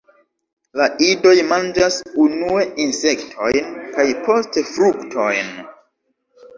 La idoj manĝas unue insektojn kaj poste fruktojn.